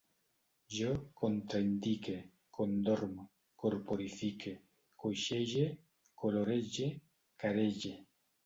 Jo contraindique, condorm, corporifique, coixege, colorege, carege